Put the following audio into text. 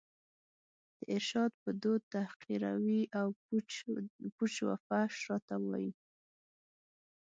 د ارشاد په دود تحقیروي او پوچ و فحش راته وايي